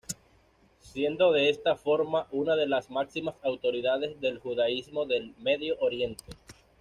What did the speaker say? Siendo de esta forma una de las máximas autoridades del judaísmo del Medio Oriente.